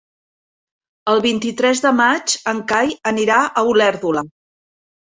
El vint-i-tres de maig en Cai anirà a Olèrdola.